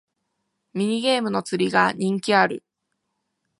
ミニゲームの釣りが人気ある